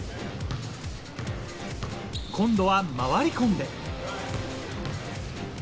今度は回り込んで。